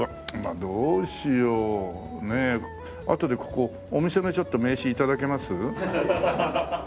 あとでここお店のちょっと名刺頂けます？